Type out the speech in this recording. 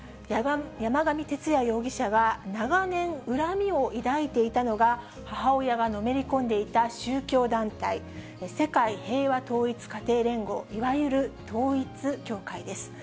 山上徹也容疑者が長年、恨みを抱いていたのが、母親がのめり込んでいた宗教団体、世界平和統一家庭連合、いわゆる統一教会です。